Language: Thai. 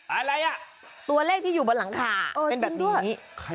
อะไรอ่ะตัวเลขที่อยู่บนหลังคาเออจริงด้วยเป็นแบบนี้ใช่